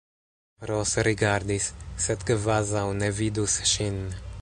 Ros rigardis, sed kvazaŭ ne vidus ŝin.